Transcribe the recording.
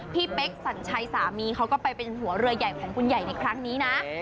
เป๊กสัญชัยสามีเขาก็ไปเป็นหัวเรือใหญ่ของคุณใหญ่ในครั้งนี้นะ